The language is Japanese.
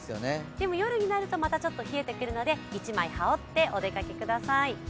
でも夜になるとまたちょっと冷えてくるので１枚羽織ってお出かけください。